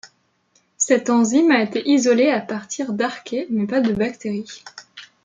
Cette enzyme a été isolée à partir d'archées mais pas de bactéries.